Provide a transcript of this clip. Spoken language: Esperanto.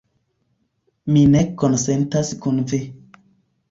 Mi ne konsentas kun vi.